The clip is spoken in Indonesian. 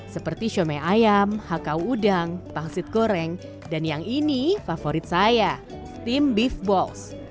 seperti shomai ayam hakau udang pangsit goreng dan yang ini favorit saya tim beef bols